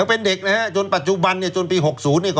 ยังเป็นเด็กนะครับจนปัจจุบันปี๖๐ก็เอามาเข้าวัยรุ่นแล้วนะครับ